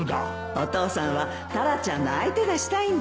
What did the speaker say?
お父さんはタラちゃんの相手がしたいんですよ